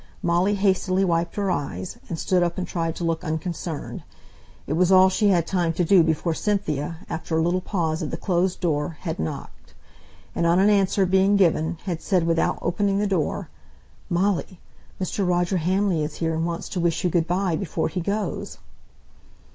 Molly hastily wiped her eyes, and stood up and tried to look unconcerned; it was all she had time to do before Cynthia, after a little pause at the closed door, had knocked; and on an answer being given, had said, without opening the door, "Molly! Mr. Roger Hamley is here, and wants to wish you good by before he goes."